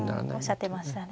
おっしゃってましたね。